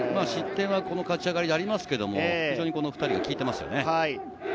失点は勝ち上がりでありますが、この２人が効いていますよね。